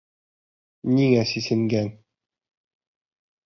Ниңә сисенгән?